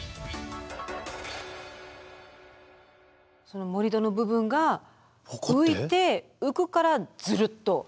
その盛り土の部分が浮いて浮くからズルッと。